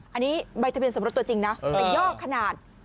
อันนี้ใบทะเบียนสมรสตัวจริงนะแต่ย่อขนาด